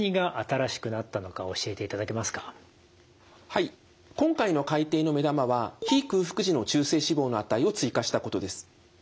はい今回の改訂の目玉は非空腹時の中性脂肪の値を追加したことです。